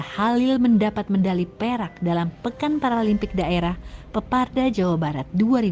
halil mendapat medali perak dalam pekan paralimpik daerah peparda jawa barat dua ribu dua puluh